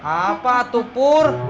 apa tuh purr